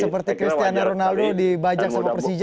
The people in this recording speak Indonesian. seperti cristiano ronaldo dibajak sama persija